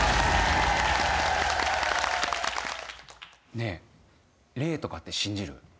ねえ霊とかって信じる？